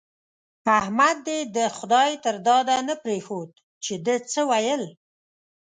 احمد دې د خدای تر داده نه پرېښود چې ده څه ويل.